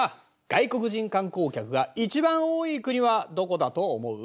外国人観光客が一番多い国はどこだと思う？